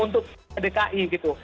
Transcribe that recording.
untuk dki gitu